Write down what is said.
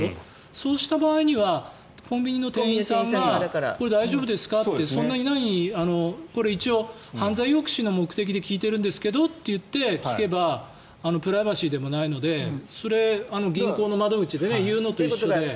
そうした場合にはコンビニの店員さんがこれ、大丈夫ですかってこれ、一応、犯罪抑止の目的で聞いてるんですけどといえばプライバシーでもないので銀行の窓口で言うのと一緒で。